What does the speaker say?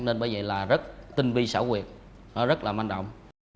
nên bởi vậy là rất tinh vi sảo quyệt rất là manh động